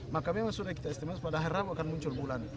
maka memang sudah kita estimasi pada hari rabu akan muncul bulan